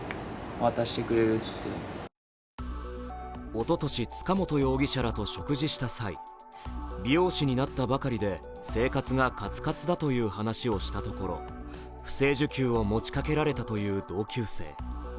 おととし、塚本容疑者らと食事した際、美容師になったばかりで生活がカツカツだという話をしたところ不正受給を持ちかけられたという同級生。